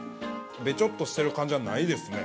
◆べちょっとしてる感じはないですね。